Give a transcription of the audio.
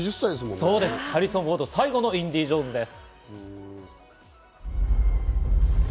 ハリソン・フォード、最後の『インディ・ジョーンズ』です。